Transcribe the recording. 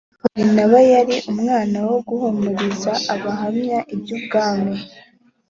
barinaba yari umwana wo guhumuriza abahamya iby’ubwami